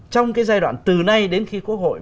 trong cái giai đoạn từ nay đến khi quốc hội